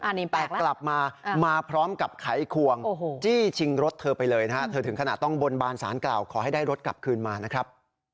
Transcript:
แต่กลับมามาพร้อมกับไขควงจี้ชิงรถเธอไปเลยนะฮะเธอถึงขนาดต้องบนบานสารกล่าวขอให้ได้รถกลับคืนมานะครับ